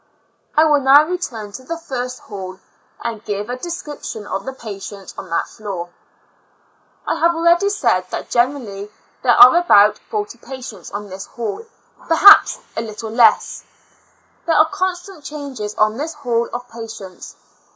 I will now return to the first hall, and give a description of the patients on that floor. I have already said that generally there are about forty patients on this hall, perhaps a little less; there are constant Z.Y A L UNA TIC ASYL UM. 9 \ changes on this hall of patients.